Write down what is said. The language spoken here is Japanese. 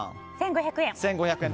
１５００円。